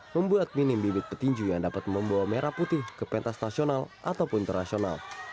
membuat minim bibit petinju yang dapat membawa merah putih ke pentas nasional ataupun internasional